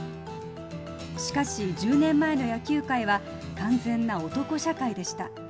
しかし、１０年前の野球界は完全な男社会でした。